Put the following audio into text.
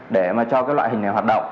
để mà cho cái loại hình này hoạt động